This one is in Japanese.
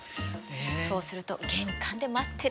そうすると玄関で待ってる。